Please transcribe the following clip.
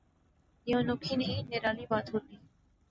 یہ انوکھی نہیں نرالی بات ہوتی۔